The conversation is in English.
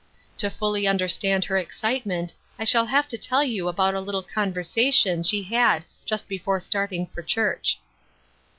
To fully understand her excite ment I shall have to tell you about a little con versation she had just before starting for church.